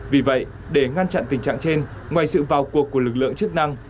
vì vậy để ngăn chặn tình trạng trên ngoài sự vào cuộc của lực lượng chức năng